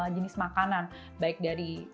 jenis makanan baik dari